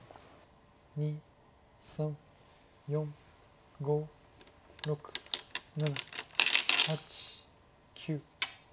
２３４５６７８９。